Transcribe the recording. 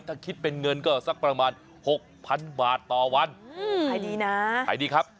ถ้าคิดเป็นเงินก็สักประมาณ๖๐๐๐บาทต่อวันไหล่ดีนะไหล่ดีครับ